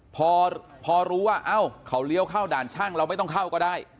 พอรู้ว่าเอ้าเขาเลี้ยวเข้าด่านช่างเราไม่ต้องเข้าก็ได้